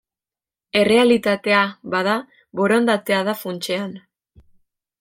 Errealitatea, bada, borondatea da funtsean.